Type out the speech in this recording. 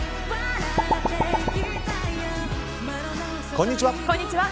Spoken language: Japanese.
こんにちは。